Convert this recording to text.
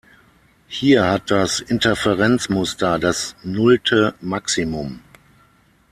Hier hat das Interferenzmuster das nullte Maximum.